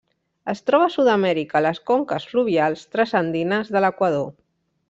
Es troba a Sud-amèrica, a les conques fluvials transandines de l'Equador.